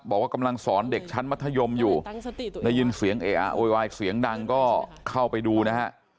บอกว่ากำลังสอนเด็กชั้นมัธยมอยู่ได้ยินเสียงเออะโวยวายเสียงดังก็เข้าไปดูนะฮะ